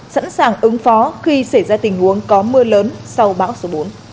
sẵn sàng ứng phó khi xảy ra tình huống có mưa lớn sau bão số bốn